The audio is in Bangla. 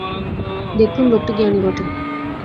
দেখলুম লোকটি জ্ঞানী বটে।